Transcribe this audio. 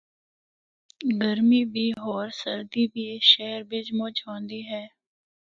گرمی بھی ہور سردی بھی اس شہرا بچ مچ ہوندی ہے۔